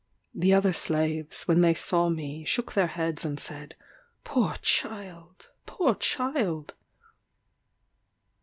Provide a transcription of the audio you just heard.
The other slaves, when they saw me, shook their heads and said, "Poor child! poor child!"